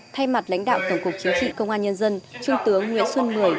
thay mặt lãnh đạo tổng cục chính trị công an nhân dân trung tướng nguyễn xuân mười